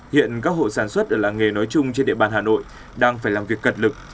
hiện các hộ sản xuất ở làng nghề nói chung trên địa bàn hà nội đang phải làm việc cật lực